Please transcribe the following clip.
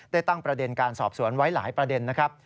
ได้ตั้งประเด็นการสอบสวนไว้หลายประเด็นนะครับ